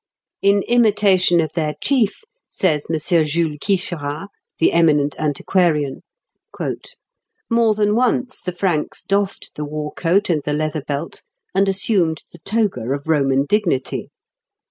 "In imitation of their chief," says M. Jules Quicherat, the eminent antiquarian, "more than once the Franks doffed the war coat and the leather Belt, and assumed the toga of Roman dignity.